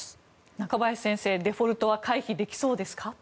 中林先生、デフォルトは回避できそうですか？